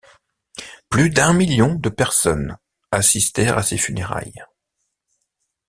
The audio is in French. Plus d'un million de personnes assistèrent à ses funérailles.